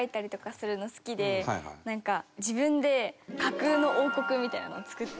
なんか自分で架空の王国みたいなのを作って。